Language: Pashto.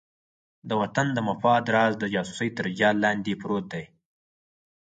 د وطن د مفاد راز د جاسوسۍ تر جال لاندې پروت دی.